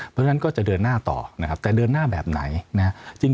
เพราะฉะนั้นก็จะเดินหน้าต่อนะครับแต่เดินหน้าแบบไหนนะครับ